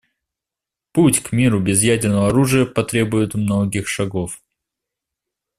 Путь к миру без ядерного оружия потребует многих шагов.